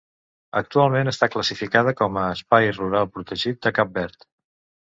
Actualment està classificada com a espai rural protegit de Cap Verd.